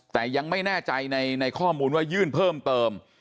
แต่ยังไม่แน่ใจในข้อมูลว่ายื่นเพิ่มเติม